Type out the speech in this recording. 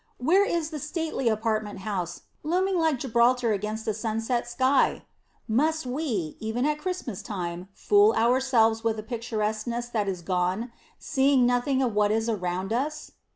Where is the stately apartment house, looming like Gibraltar against a sunset sky? Must we, even at Christmas time, fool ourselves with a picturesqueness that is gone, seeing nothing of what is around us?